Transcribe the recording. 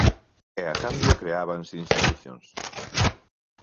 E a cambio creábanse institucións.